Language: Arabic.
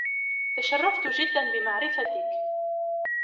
تشرفت جدا بمعرفتك.